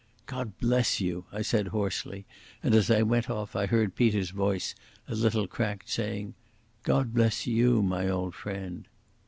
"God bless you," I said hoarsely, and as I went off I heard Peter's voice, a little cracked, saying "God bless you, my old friend."